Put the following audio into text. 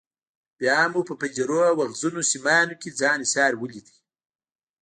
بیا مو په پنجرو او ازغنو سیمانو کې ځان ایسار ولید.